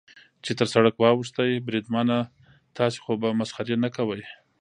چې تر سړک واوښت، بریدمنه، تاسې خو به مسخرې نه کوئ.